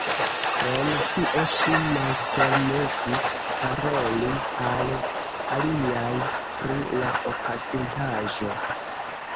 Krom tio ŝi malpermesis paroli al aliaj pri la okazintaĵo.